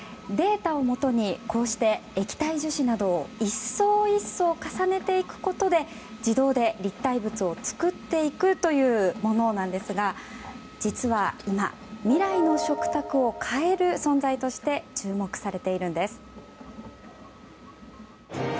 データをもとにこうして液体樹脂などを１層１層重ねていくことで自動で立体物を作っていくというものなんですが実は今未来の食卓を変える存在として注目されているんです。